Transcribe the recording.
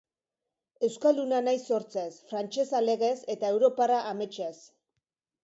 Euskalduna naiz sortzez, frantsesa legez, eta europarra ametsez.